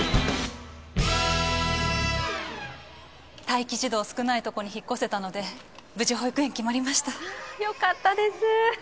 待機児童少ないとこに引っ越せたので無事保育園決まりましたよかったです